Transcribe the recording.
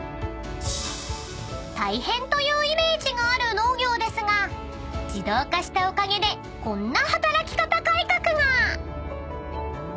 ［大変というイメージがある農業ですが自動化したおかげでこんな働き方改革が］